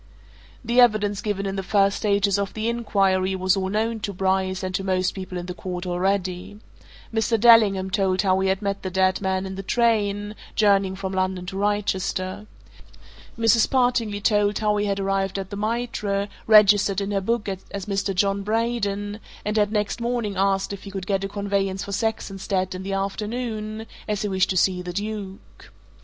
The evidence given in the first stages of the inquiry was all known to Bryce, and to most people in the court, already. Mr. Dellingham told how he had met the dead man in the train, journeying from London to Wrychester. Mrs. Partingley told how he had arrived at the Mitre, registered in her book as Mr. John Braden, and had next morning asked if he could get a conveyance for Saxonsteade in the afternoon, as he wished to see the Duke.